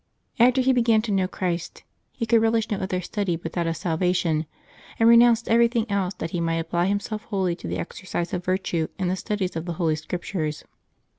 After he began to know Christ, he could relish no other study but that of salvation, and renounced ever3^thing else that he might apply himself wholly to the exercise of virtue and the studies of the Holy Scriptures.